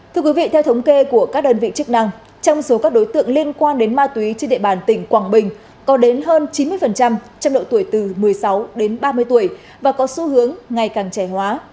thưa quý vị theo thống kê của các đơn vị chức năng trong số các đối tượng liên quan đến ma túy trên địa bàn tỉnh quảng bình có đến hơn chín mươi trong độ tuổi từ một mươi sáu đến ba mươi tuổi và có xu hướng ngày càng trẻ hóa